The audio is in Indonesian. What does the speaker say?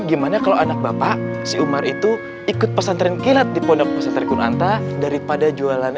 gimana kalau anak bapak si umar itu ikut pesantren kilat di pondok pesantren kunanta daripada jualannya